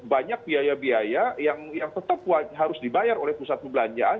banyak biaya biaya yang tetap harus dibayar oleh pusat perbelanjaan